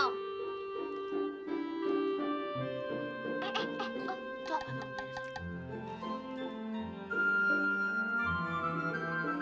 makan yang penuh dong